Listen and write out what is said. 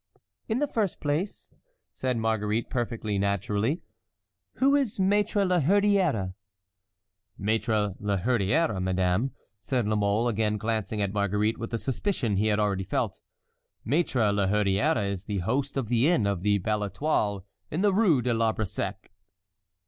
"In the first place," said Marguerite, perfectly naturally, "who is Maître La Hurière?" "Maître La Hurière, madame," said La Mole, again glancing at Marguerite with the suspicion he had already felt, "Maître La Hurière is the host of the inn of the Belle Étoile in the Rue de l'Arbre Sec."